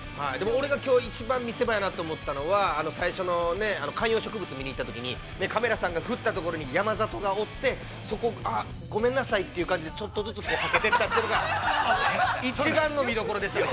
◆俺がきょう一番見せ場やなと思ったのは、最初の観葉植物見に行ったときにカメラさんが振ったところに山里がおって、そこ、あっごめんなさいっていう感じで、ちょっとずつはけてったっていうのが、一番の見どころでしたよ。